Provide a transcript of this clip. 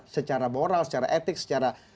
secara moral secara etik secara